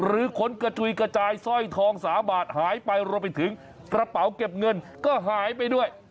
ขนกระจุยกระจายสร้อยทอง๓บาทหายไปรวมไปถึงกระเป๋าเก็บเงินก็หายไปด้วย